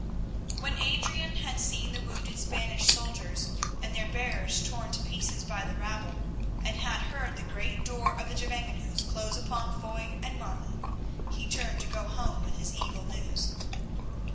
When Adrian had seen the wounded Spanish soldiers and their bearers torn to pieces by the rabble, and had heard the great door of the Gevangenhuis close upon Foy and Martin, he turned to go home with his evil news.